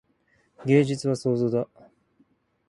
芸術は創造だ。